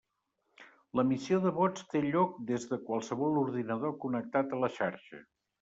L'emissió de vots té lloc des de qualsevol ordinador connectat a la xarxa.